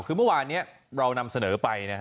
คือเมื่อวานนี้เรานำเสนอไปนะฮะ